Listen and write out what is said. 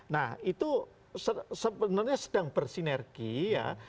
nah itu sebenarnya sedang bersinergi ya